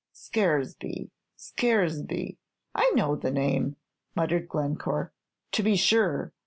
"Scaresby Scaresby I know the name," muttered Glencore. "To be sure!